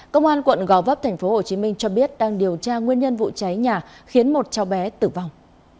công an quận gò vấp tp hcm cho biết đang điều tra nguyên nhân vụ cháy nhà khiến một cháu bé tử vong